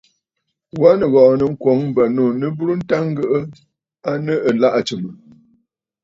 Wa nìghɔ̀ɔ̀ nɨ ŋkwǒŋ bə̀ manû nɨ burə nta ŋgɨʼɨ aa nɨ̂ ɨlaʼà tsɨ̀mə̀.